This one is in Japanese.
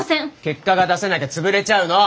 結果が出せなきゃ潰れちゃうの。